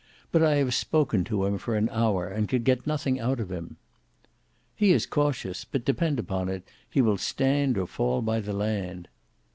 But I have spoken to him for an hour, and could get nothing out of him." "He is cautious; but depend upon it, he will stand or fall by the land."